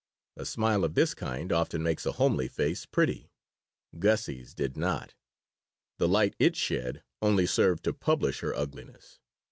A smile of this kind often makes a homely face pretty. Gussie's did not. The light it shed only served to publish her ugliness.